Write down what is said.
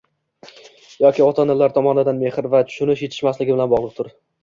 Yoki ota-onalar tomonidan mehr va tushunish yetishmasligi bilan bog‘liqdir